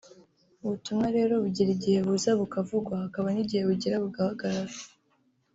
ubutumwa rero bugira igihe buza bukavugwa hakaba n’igihe bugera bugahagarara